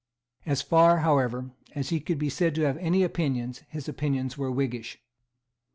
As far, however, as he could be said to have any opinions, his opinions were Whiggish.